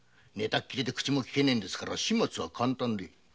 寝たきりで口もきけねえんですから始末は簡単で。